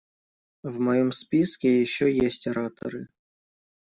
В моем списке еще есть ораторы.